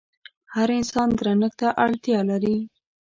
هر انسان درنښت ته اړتيا لري.